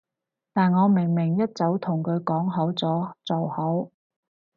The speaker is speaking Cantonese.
但我明明一早同佢講好咗，做好